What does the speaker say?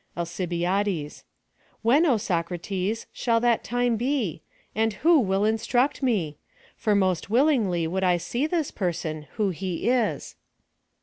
Mcibiades When, Socrates, shall that time be ? and who will instruct me ? for most willingly would I see this person, who he is.